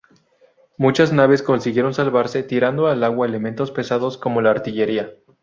Muchas naves consiguieron salvarse tirando al agua elementos pesados, como la artillería.